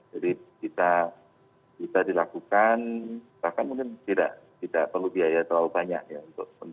jadi bisa dilakukan bahkan mungkin tidak perlu biaya terlalu banyak ya untuk kewaspadaan